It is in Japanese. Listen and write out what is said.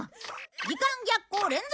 時間逆行連続